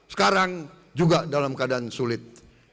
sekarang juga dalam keadaan sulit